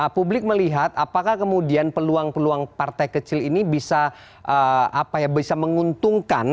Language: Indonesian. publik melihat apakah kemudian peluang peluang partai kecil ini bisa menguntungkan